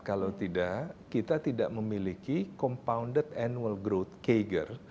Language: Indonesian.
kalau tidak kita tidak memiliki compounded annual growth cager